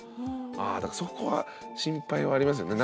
ああだからそこは心配はありますよね。